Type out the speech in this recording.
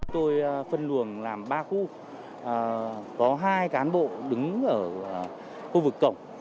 tôi phân luồng làm ba khu có hai cán bộ đứng ở khu vực cổng